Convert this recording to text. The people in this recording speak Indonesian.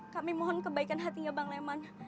kami mohon kebaikan hatinya bang leman